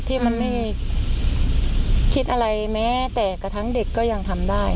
ที่มันไม่คิดอะไรแม้แต่กระทั่งเด็กก็ยังทำได้